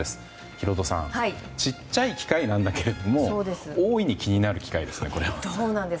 ヒロドさん小さい機械なんだけれども大いに気になる機械ですね。